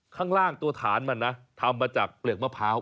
ข้างล่างตัวฐานมันนะทำมาจากเปลือกมะพร้าว